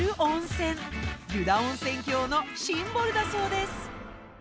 湯田温泉峡のシンボルだそうです。